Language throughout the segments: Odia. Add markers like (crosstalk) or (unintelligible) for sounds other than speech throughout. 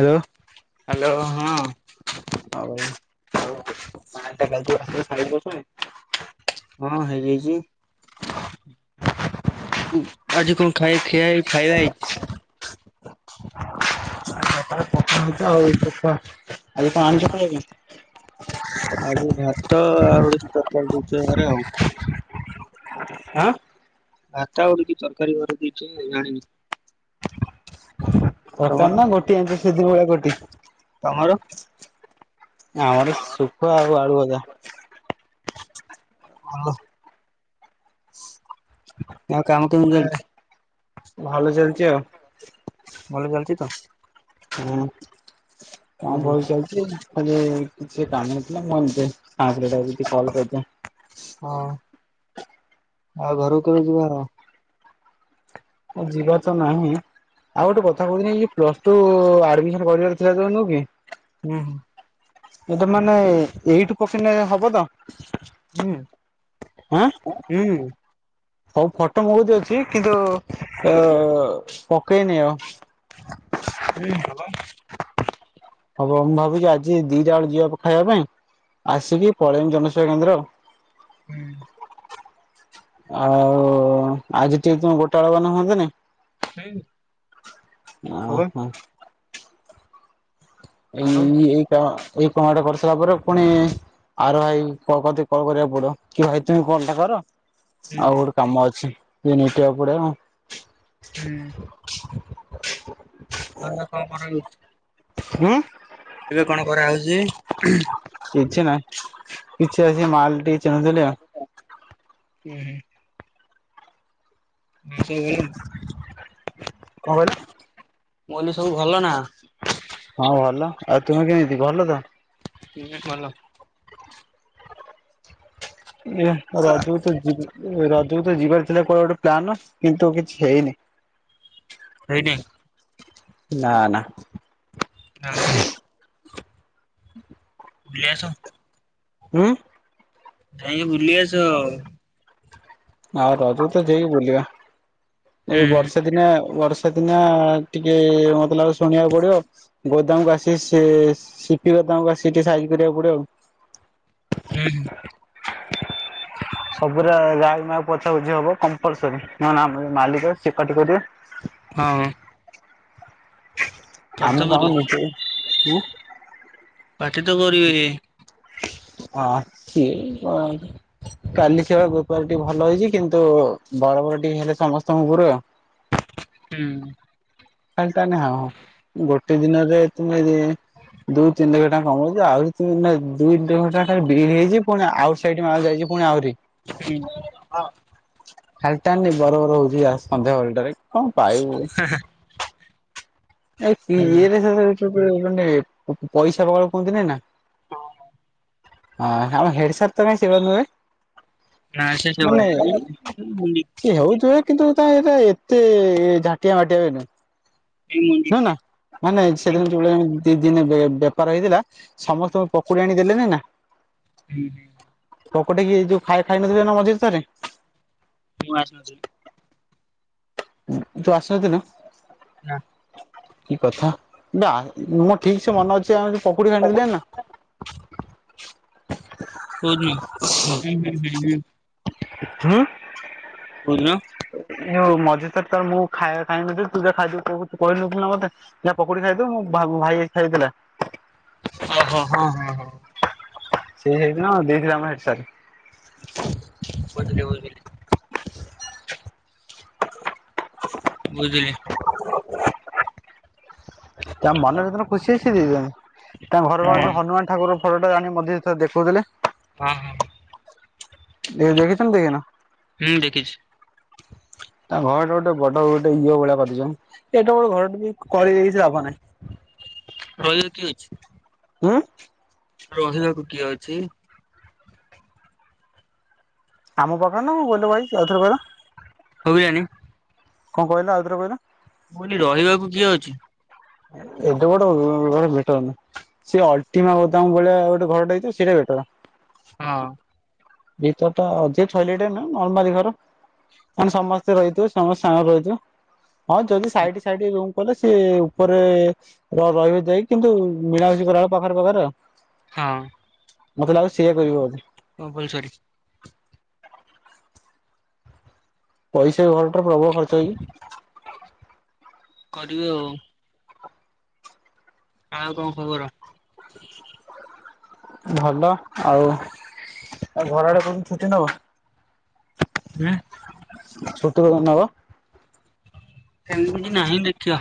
ହ୍ୟାଲୋ। ହ୍ୟାଲୋ ହଁ ଆଉ ମା କାଲି ତ ଆସ ଶିକି ବସୁନି ହଁ ହେଇଯାଇଛି। (inaudible) ଆଜି କଣ ଖାଇ ଖଆ ଖାଇବା ହେଇଚି ଆ ପଖଳ ଭାତ ଆଉ ଆଜି ଭାତ ଆଉ। ତରକାରୀ ଦେଇଚ ଘରେ ଆଉ। ହଁ। ଭାତ ଆଉ ଟିକେ ତରକାରୀ ଘ ଦେଇଛ ଆଉ ଜାଣିନି। ଦରକାର ତମର ନା ଗୋଟିଏ ଆଞ୍ଚ ସେଦି ଭଳିଆ ଗୋଟିଏ। (inaudible) ତମର? ଆମର ସୁଖ ଆଉ ଆଳୁ ଭଜା। ହଲୋ ଆଁ କାମ କେମିତି ଚାଲିଛି। ଭଲ ଚାଲଛିଆଉ। ଭଲ ଚାଲିଛି ତ। ହୁଁ। ହଁ ହୁଁ ଭଲ ଚାଲିଛି। ହଁ ଯେ କିଛି କାମ ନଥିଲା ମୁଁ ଆଉ ସେଇଥିପାଇଁ ପାଁଶଟଙ୍କା ଦେଇ କଲ୍ କରିଦିଏ। ହଁ ଆଉ ଘରକୁ କେବେ ଯିବାର ଯିବାର ତ ନାହିଁ ଆଉ ଗୋଟେ କଥା କହୁଥିଲି ପ୍ଲସଟୁ ଆଡ଼ମିଶନ କରିବାର ଥିଲା ଯୋଉ ନୁହୁ଼ଁକି ହୁଁ ହୁଁ ଏଟା ମାନେ ଏଇଠୁ କୋଶ୍ଚିନ ହବତ। ହୁଁ ହୁଁ ସବୁ ଫଟୋ ମୋ ପାଖରେ ଅଛି କିନ୍ତୁ ଆଉ ପକେଇନି ଆଉ। (unintelligible) ହୁଁ ଭଲ। ହବ ମୁଁ ଭାବୁଛି ଆଜି ଦିଟା ବେଳକୁ ଯିବା ଖାଇବା ପାଇଁ ଆସିକି ପଳେଇବି ଜନସେବା କେନ୍ଦ୍ର। ହୁଁ ଆଉ ଆଜି ଟିକେ ତମେ ଗୋଟା ବେଳେ ଗଲେ ହୁଅନ୍ତାନି। ଖାଇବୁ। ଓଂ ହୋ ଆଉ ଏଇ ଏକ ଏଇ କାମ ଟା କରିସାରିଲା ପରେ ପୁଣି ଆର ଭାଇ କ କତିକି କଲ୍ କରିବାକୁ ପଡବ କି ଭାଇ ତୁମେ କଲ୍ ଟା କର। ହୁଁ ହୁଁ ଆଉ ଗୋଟେ କାମ ଅଛି। ସେ ନିିଟଆ ପଡା (unintelligible) ହୁଁ (inaudible) ହେରା କଣ (unintelligible) ଆଂ ଏବେ କଣ କରା ହୋଉଚି? (unintelligible) କିଛି ନା କିଛି ଏ ସେ ମାଲ୍ ଟି (unintelligible) ଉଁ, ହୁଁ। ଆଉ ସବୁ ଭଲ ନା। କଣ କହିଲ ମୁ଼୍ଁ କହିଲି ସବୁ ଭଲ ନା। ହଁ ଭଲ ଆଉ ତୁମେ କେମିତି ଭଲ ତ। କହିଲି ସବୁ ଭଲ ନା? ହୁଁ ଭଲ ଏ ରଜକୁ ତ ଯିବି ଏ ର ତୁ ତୋ ଯିବାର ଥିଲା କୁଆଡ଼େ ଗୋଟେ ପ୍ଲାନ କିନ୍ତୁ କିଛି ହେଇନି। ହେଇନି ନା, ନା। ଆଉ (inaudible) ବୁଲି ଆସ। ଉଁ ଯାଇକି ବୁଲି ଆସ। ଆଉ ରଜକୁ ତ ଯାଇକି ବୁଲିବା। ଏଇ ହୁଁ ବର୍ଷେ ଦିନେ ବର୍ଷ ସେଦିନ ଟିକେ ମୋତେ ଲାଗୁଚି ଶୁଣିବାକୁ ପଡିବ ଗୋଦାମକୁ ଆସି ସେ ସିଟି ଗୋଦାମକୁ ଆସିି ସେଠି ସାଇନ୍ କରିବାକୁ ପଡିବ ଆଉ। ହୁଁ ହୁଁ। ସବୁର ଗାଈ ମା ପୋଛା ପୋଛି ହବ କମ୍ପଲସରୀ ନନେ ଆମର ମାଲିକ ସେ ପାଟି କରିବ। ହଁ। ପାଟି ତ ଆମେ କରିବେ କହୁନୁକି ତୁ ପାଟି ତ କରିବେ ରେ। ଆ, ସିଏ ଅ, କାଲି ସେ ପରା ବେପାର ଟିକେ ଭଲ ହେଇଚି, କିନ୍ତୁ ବରା ବର ଟିକେ ହେଲେ ସମସ୍ତଙ୍କ ଉପରେ। ହୁଁ। ଖାଲି ତା ନା ହାଁ, ହଁ, ଗୋଟେ ଦିନରେ ତୁମେ ଯେ ଦୁ ତିନି ଲକ୍ଷ ଟଙ୍କା କମଉଚ, ଆହୁରି ତୁମେ ଦୁଇ (unintelligible) ଘଣ୍ଟା ଖାଲି ବିଲ୍ ହେଇଚି, ପୁଣି ଆଉ ସେଇଟି ମାଲ ଯାଇଚି, ପୁଣି ଆହୁରି ଇ, ହଁ। ଖାଲଟା ନି ବର ଗରଗର ହଉଚି ଆ, ସନ୍ଧ୍ୟା ବେଳଟାରେ। କଣ ପାଇବୁ? ଆଉ ଇ ହୁଁ। ଇଏରେ ସେ (unintelligible) ସବେଳେ ମାନେ ପ-ପ-ପଇସା (unintelligible) କୁହନ୍ତି ନାାଇଁ ନା ହଁ। ହଁ ଆମ ହେଡ୍ ସାର୍ ତ କାଇଁ ସେ ଭାବେ ନୁହେଁ। ନା ସେେଷ ବ। ମାନେ ସିଏ (inaudible) ହଉଥିବେ କିନ୍ତୁ ତା ଏଟା ଏତେ ଝାଟିଆ ବାଟିଆ ବିନ। ଏଇ ମୁଣ୍ଡି ନୁ ନା ମାନେ ହୁଁ ସେଦିନ ଯୋ। (unintelligible) ଦ ଦିନେ ବେପାର ହେଇଥିଲା। ସମସ୍ତଙ୍କୁ ପକୁଡି ଆଣିଦେଲେନି ନା। ନ ନଁ। (inaudible) ପୋକଟକି ଯୋଉ ଖାଇ ଖାଇ ନଥିଲେେ ନା ମଝିରେ ଥରେ। ମୁ ଆସୁଛି। ତୁ ଆସୁଥିଲୁ। ନା କି କଥା। ନା ମୁଁ ଠିକ ସେ ମନେ ଅଛି। ସେ ଆମ ପୋଖଡି ଖାଣି ନା (unintelligible) (inaudible) ହଉନଁଁ ହ ହଁ ହ (inaudible) ହଁ ବହୁଜ (inaudible) ଯଁ ମଝି ତରେ ତାର ମୁଁ ଖାଇ ଖାଇନ ତୁ ଯା ଖାଇଦବୁୋଉ କହିନ ନା ମତେ ଯ ପକୁଡି ଖାଇଦବୁ ଭାଇ ଖାଇଥିଲା। ଓ ହୋ ହଁ ହ ହ। ସେ ହେଇକଥିଲା ଦେଇଥିଲା ଆମ ହେଠସାର (unintelligible) (unintelligible) ବୁଝିଲି ତା ମନରେତନ ଖୁସି ହେଇଛିି ତାଙ୍କ ଘର ଘ ହୁଁ ଯୋଉ ହନୁମାନ ଠାକୁର ଫଟୋଟା ଆଣି ମଧ୍ୟ ଦେଖଉଥିଲେ। ହଁ ହଁ ଦେ ଦେଖିଛ ଦେଖିନ ହୁଁ ଦେଖିଛି ତା ଘରଟା ଗୋଟେ ବଡ ଗୋଟେ ଇଏ ଭଳିଆ କରିଦଛ ଏଡ଼େ ବଡ଼ ଘରଟେ କରି କିଛି ଲାଭ ନାହିଁ। (unintelligible) ହଁ? ରହିବାକୁ କିଏ ଅଛି। ଆମ ପାଖରେ ନ ଗଲେ ଭାଇ ଆଉଥରେ କହିଲା ବିରିୟାନୀ କଣ କହିଲା ଆଉଥରେ କହିଲା ମୁଁ କହିଲି ରହିବାକୁ କିଏ ଅଛି। ଏଟା ଗୋଟ ବେଟର ନା ସେ ଅଲଟିମା ଗୋଦାମ ଭଳିଆ ଗୋଟେ ଘରଟା ହେଇ ସେଇଟା ବେଟର। ହଁ ଭିତର ତ ଅଧିକ ଇିଲଟେ ନଲମାରୀ ଘର ମେ ସମସ୍ତେ ରହିଥିବେ ସମସ୍ତେ ସାଙ୍ଗ ରହିଥିବ। ହଁ ଯଦି ସାଇଡ ସାଇ ଋମ୍। କଲେ ସିଏ ଉପରେ ରହିବ ଯାଇଏ କିନ୍ତୁ ମିଳାମଷ କରଳୁ ପାଖରେ ପାଖରେ ହଁ ମତେ ଲାଗୁ ସିଏ କରିବେ କମ୍ପଲସରି। ପଇସା ଘର ପ୍ରବଳ ଖର୍ଚ ହେଛିକି କରିବେ ଆଉ। ଆଉ କଣ ଖବର ଭଲ ଆଉ ଘରଆଡେ କଉଠୁ ଛୁଟି ନବ? ହଁ। ଛୁଟି କଣ ନବା? କ ନାଁ ଦେଖିବା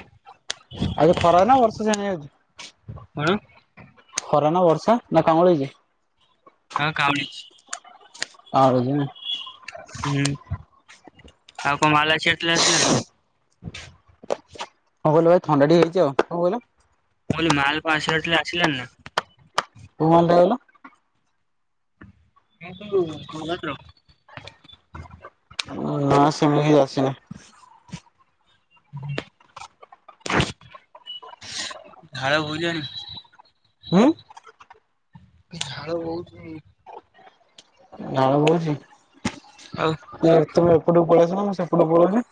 ଆଉ ଯଉ ଖରା ନା ବର୍ଷ ସେଣିଯାଉଛି ହଣ ଖରା ନାବର୍ଷା ନା କାଉଳିଛି? ହଁ କାଉଁଳିଚି ଆ ରଜ ହୁଁ। ହଉ କଣ ମଲା ଆସିବାର ଥିଲା ଆସିଲ ନା କଣ କହିଲୁ ଭାଇ ଥଣ୍ଡାଟିକେ ହେଇଛି ଆଉ। ମୁଁ କହିଲି ମାଲ କଣ ଆସିବାର ଥିଲା ଆସିଲାଣିନା? କୁମାନ ଯାଉନା ଥାଉ ଥାଉ ଭଙ୍ଗା ଡପ୍ର ନା ସେମିତି କି ଆସିନି। ଝାଲ ବହୁଜନି ହୁଁ। ଝାଳ ବହୁଛି ଝାଳ ବହୁଛି। ଆଉ ଏ ତମେ ସେଟ ପଳେଇସ ନା ମୁଁ ସେପଟୁ ପଳୁଛି।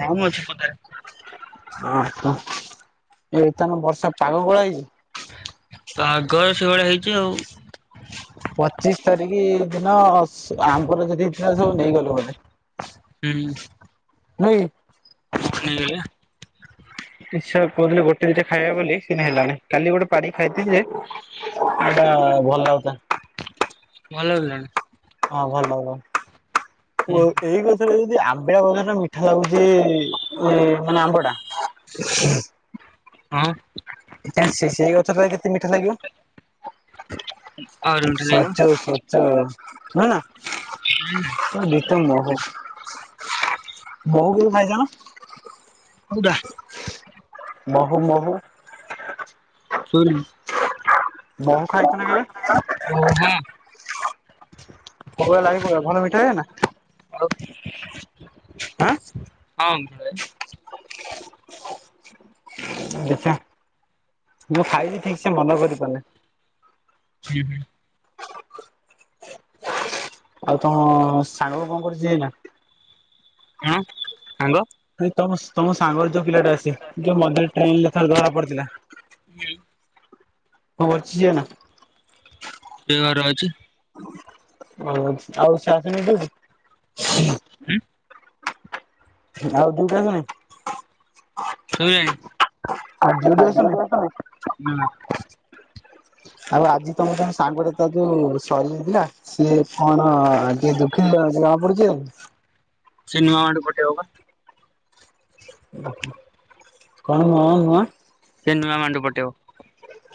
ଜାମ ଅଛି ପଦାରେ। ହଁ ଏଇଥାନ ବର୍ଷା ପାଗ ଗୋଳା ହେଇଛି। ତ ଆଗର ସେଇଭଳିଆ ହେଇଛି ଆଉ। ପଚିଶି ତାରିଖ ଦିନ ଆମଙ୍କର ଯଦିଇଥିଲା ସବୁ ନେଇଗଲୁ ବୋ ହୁଁ। ନାଇ। (unintelligible) ଇଛା କହୁଥିଲି ଗୋଟେ ଦିଟା ଖାଇବି ବୋଲି କିନ୍ତୁ ହେଲାନି କାଲି ଗୋଟେ ପାରିକି ଖାଇଥିଲି ଯେ ସେଇଟା ଭଲ ଲାଗୁଥିଲା। ଭଲ ଲାଗିଲାନି। ହଁ ଭଲ ହବ। ହୁଁ ଓ ଏଇ ଗଛରେ ହେଇ ଆମ୍ବିଳା ଆମ୍ବଟା ମିଠା ଲାଗୁଛି ଏ ମାନେ ଆମ୍ବ ଟା। ହଁ। ସେ ସେ ଗଛଟାରେ କେତେ ମିଠା ଲାଗିବ? ଆଉ ରୁମ୍ ଟା ନେଇଯାଅ ସୋଚ ସୋଚ। ନା ନା।। ଦି ଥର ନହଉ। ବହୁ କିଛି ଖାଇଛ ନା? ଚୁଡ଼ା ମହୁ ମହୁ ଚୋରି ମହୁ ଖାଇଥିଲ ଓ କେବେ? ହଁ ମହୁଆ ଲାଗିବବା ଭଲ ମିଠା ଲାଗେନା? ଆଉ ଆଁ। ହଁ ମୁଁ ଦେଖିଆ ମୁଁ ଖାଇଛି ଠିକ୍ ସେ ମନ କରି ପାରୁନି। ହୁଁ ହୁଁ। ଆଉ ତମ ସାଙ୍ଗ କଣ କରୁଛି ଏଇନା? ଆଁ ସାଙ୍ଗ ଭାଇ ତମସ ତମସ ସାଙ୍ଗରେ ଯୋଉ ପିଲା ଟା ଅସେ ଯୋଉ ମନ୍ଦିର ଟ୍ରେନ୍ ରେ ଧରା ପଡିଥିଲା। କଣ କରୁଛି ସିଏ ଏଇନା ସେ ଘରେ ଅଛି। ହ ଆଉ ସେ ଆସିନି ଆଜି? ହୁଁ। ଆଉ ଦୁଇଟା ନାହିଁ। କେଇଆଣି (unintelligible) ଆସୁନି? ନାଁ। (inaudible) ଆଉ ଆଜି ତମେ କଣ ସାଙ୍ଗଟେ ତାର ଯୋଉ ସରିଯାଇଥିଲା ସିଏ କଣ ଟିକେ ଦୁଃଖୀତ ଜଣା ପଡୁଛି। ସିନେମା ମଣ୍ଡୁ ପଟେଇବ ପା। (inaudible) କଣ ହ ନୁଆ? ସିନେମା ମାଣ୍ଡୁ ପଟେଇବ।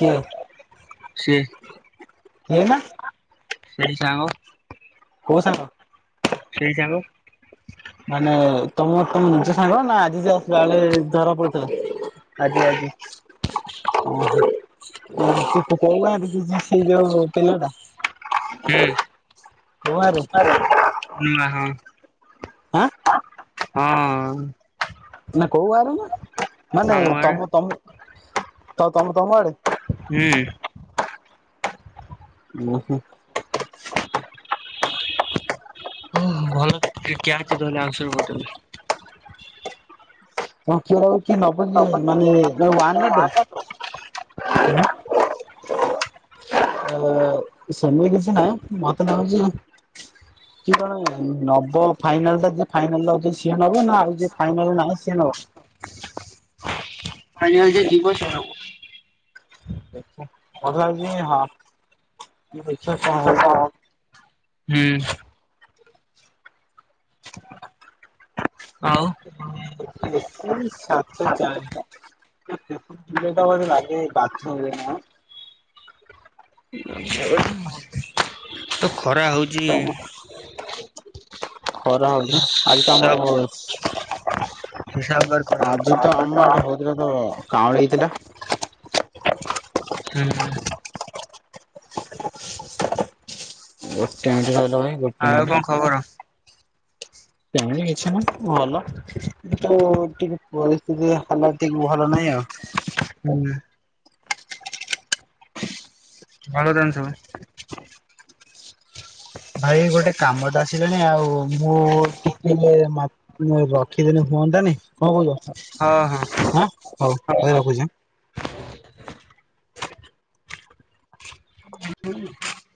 କିଏ ସିଏ (inaudible) ମୁଁ ନା। ସେଇ ସାଙ୍ଗ। କୋଉ ସାଙ୍ଗ? ସେଇ ସାଙ୍ଗ। ମାନେ ତମ ତମେ ନିଜ ସାଙ୍ଗ ନା ଆଜି ଯେ ଆସିଥିଲା ବେଳେ ଧରା ପଡ଼ିଥିଲା। ଆଜି ଆଜି। (inaudible) ନାଦି ପକେଇଲାଣି। ସେଇ ଯୋଉ ପିଲାଟା। ହୁଁ (unintelligible) କୋଉ ଗାଁରେ ନା ହଁ। (inaudible) ଆଃ। ହଁ। ନା କୋଉ ଆରେ ନା ଆମ ନାଇଁ ନାଇଁ ଗାଁରେ ତମ ତମ ତ-ତ-ତମ ଆଡେ। ହୁଁ। ଓହୋ। ଓ ଭଲିକ ଅଛି ତାହଲେ ଆଂସର ବୋଟଲ। କଣ କୁହ? କିଏ ନବ କିଏ ମାନେ ୱନ୍ ନା ଟୁ? ହଁ। ସେମିତି କିଛି ନାଇଁ ମତେ ନାଗୁଛି କେତଳେ ନବ ଫାଇନାଲ ଟା ଯ ଫାଇନାଲ ଅ ସିଏ। ନବ ନା ଆଉ ଫାଇନାଲ ନାହିଁ। କିଏ ନବ। ପାଣି ଆଣିତେ ଯିବସିଏ ଆଉ। ମତେ ଲାଗୁଚି ହଁ। ଦେଖିବା କଣ ହଉଛି ଆଉ। ହୁଁ ହୁଁ। (inaudible) ହୁଁ। ଏସିି ସାତେ ଚାରି ଲାଗେ ଏଟା ବୋଧେ ଲାଗେ ବାଥ୍ରୁମ୍ ରେ ନା କଣ? ଯୋଉ ଖରା ହଉଛି। ଖରା ହଉଛି ଆଜି ତ ହିସାବ ଆମର ହିସାବ ବାର ଖରା ଆଜି ତ ହଉଛି। ଆମ ଏଡେ ହଉଥିଲା ତ। କାଁଡ ହେଇଥିଲା। ହୁଁ ହ। ଗୋଟେ ଭାଇ ଗୋଟେ ଆଉ ମିନିଟ। କଣ ଖବର। କିଛି ନା ଭଲ କିୁ ଟିକେ ପରିସ୍ଥିତିଲା ଟିକେ ଭଲ ନହିଁ ଆଉ। ହୁଁ। ଭଳ ତ ସୁ ଭାଇ ଗୋଟେ କାମ ତ ଆସିଲାଣି ଆଉ ମୁଁ ଟିକେ ରଖିଦେନେ ହୁଅନ୍ତାଆନି କଣ କହୁଛ? ହଁ ହଁ। ହ ରଖୁଛି।